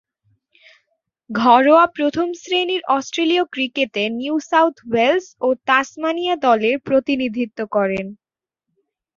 ঘরোয়া প্রথম-শ্রেণীর অস্ট্রেলীয় ক্রিকেটে নিউ সাউথ ওয়েলস ও তাসমানিয়া দলের প্রতিনিধিত্ব করেন।